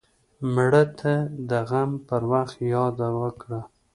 مړه ته د غم پر وخت یاد وکړه